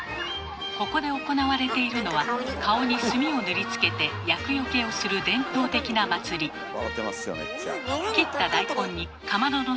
ここで行われているのは顔に炭を塗りつけて厄よけをする伝統的な祭り。笑てますよ